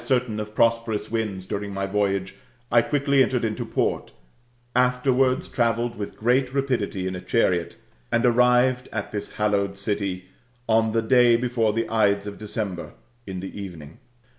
Being likewise certain of prosperous winds during my voyage, I quickly entered into port, afterwards travelled with great rapidity in a chariot,'' and arrived at this hallowed city,'^ on the day before the Idei^ of December, in the evening.